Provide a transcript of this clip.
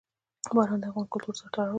باران د افغان کلتور سره تړاو لري.